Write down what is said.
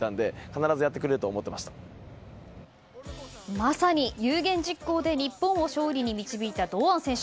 まさに有言実行で日本を勝利に導いた堂安選手。